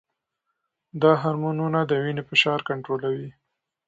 دا هرمونونه د وینې فشار کنټرولوي.